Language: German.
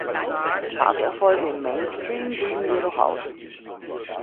Charterfolge im Mainstream blieben jedoch aus.